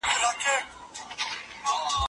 موږ په تاسو ویاړو.